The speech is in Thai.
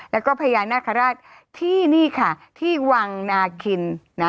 แล้วก็พญาน